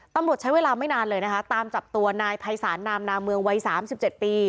ตำรวจใช้เวลาไม่นานเลยนะคะตามจับตัวนายภัยศาลนามนาเมืองวัย๓๗ปี